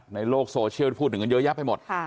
ในโลกโซเชียลพูดถึงกันเยอะแยะไปหมด